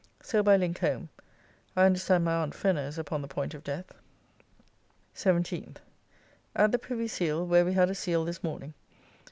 So by link home. I understand my Aunt Fenner is upon the point of death. 17th. At the Privy Seal, where we had a seal this morning.